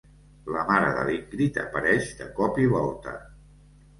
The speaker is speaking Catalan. La mare de l'Ingrid apareix de cop i volta.